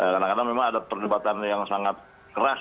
karena memang ada perdebatan yang sangat keras